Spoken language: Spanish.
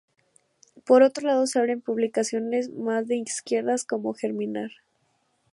Por otro lado, se abren publicaciones más de izquierdas como Germinar.